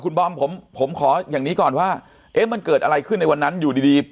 คุณบอมผมผมขออย่างนี้ก่อนว่าเอ๊ะมันเกิดอะไรขึ้นในวันนั้นอยู่ดีดี